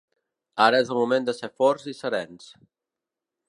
Ara és el moment de ser forts i serens.